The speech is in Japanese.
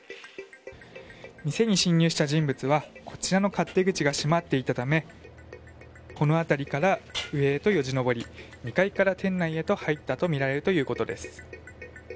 店に侵入した人物は、こちらの勝手口が閉まっていたためこの辺りから上へとよじ登り２階から店内に入ったとみられるということです。